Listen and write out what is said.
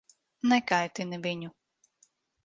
Nekaitini viņu.